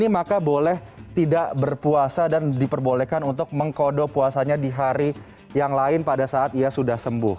maka boleh tidak berpuasa dan diperbolehkan untuk mengkodo puasanya di hari yang lain pada saat ia sudah sembuh